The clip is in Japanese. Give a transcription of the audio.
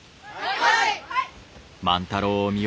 はい！